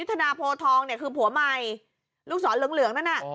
โทษทองเนี่ยคือผัวใหม่ลูกสอนเหลืองนั่นอ่ะ